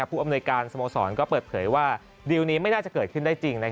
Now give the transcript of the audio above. ผู้อำนวยการสโมสรก็เปิดเผยว่าดีลนี้ไม่น่าจะเกิดขึ้นได้จริง